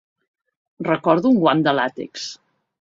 Recordo un guant de làtex.